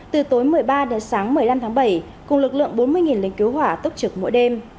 từ tối một mươi ba đến sáng một mươi năm tháng bảy cùng lực lượng bốn mươi lính cứu hỏa tốc trực mỗi đêm